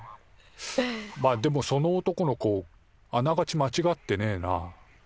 まっでもその男の子あながちまちがってねえな。